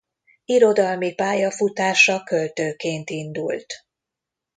Irodalmi pályafutása költőként indult.